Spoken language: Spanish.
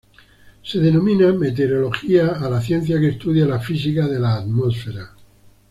Se denomina meteorología a la ciencia que estudia la física de la atmósfera.